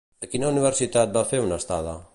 A quina universitat va fer una estada?